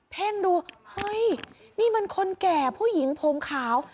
เพ่งดูเฮ้ยนี่มันคนแก่ผู้หญิงผมขาว